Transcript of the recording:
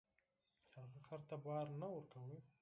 هغه خر ته بار نه ورکاوه.